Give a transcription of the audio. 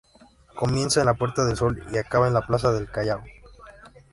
Comienza en la Puerta del Sol y acaba en la Plaza del Callao.